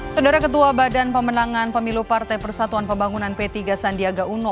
saudara ketua badan pemenangan pemilu partai persatuan pembangunan p tiga sandiaga uno